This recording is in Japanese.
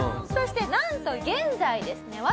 そしてなんと現在ですね